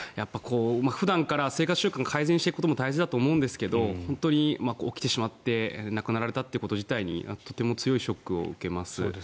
普段から生活習慣を改善していくことも大事だと思うんですが本当に起きてしまって亡くなられたということ自体にとても強いショックを受けます。